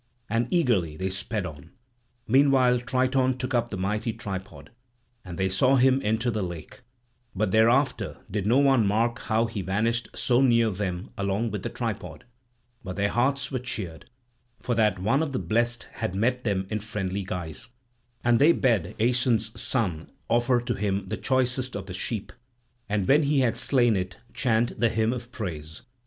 And eagerly they sped on; meanwhile Triton took up the mighty tripod, and they saw him enter the lake; but thereafter did no one mark how he vanished so near them along with the tripod. But their hearts were cheered, for that one of the blessed had met them in friendly guise. And they bade Aeson's son offer to him the choicest of the sheep and when he had slain it chant the hymn of praise.